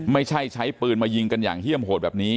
ไม่ใช่ใช้ปืนมายิงกันอย่างเฮี่ยมโหดแบบนี้